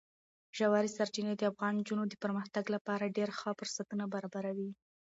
ژورې سرچینې د افغان نجونو د پرمختګ لپاره ډېر ښه فرصتونه برابروي.